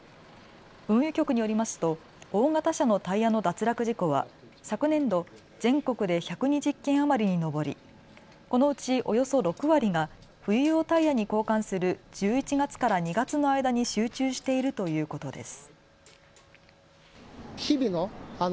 運輸局によりますと大型車のタイヤの脱落事故は昨年度全国で１２０件余りに上りこのうちおよそ６割が冬用タイヤに交換する１１月から２月の間に集中しているということです。